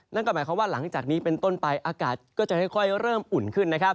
นั่นก็หมายความว่าหลังจากนี้เป็นต้นไปอากาศก็จะค่อยเริ่มอุ่นขึ้นนะครับ